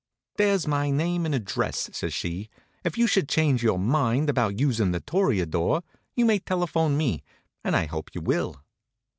"There's my name and address," says she. "If you should change your mind about using The Toreador, you may telephone me; and I hope you will."